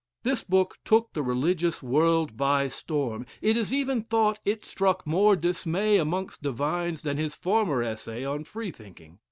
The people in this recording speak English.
This book took the religious world by storm; it is even thought it struck more dismay amongst divines than his former essay on Freethink ing.